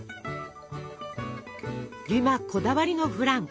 デュマこだわりのフラン。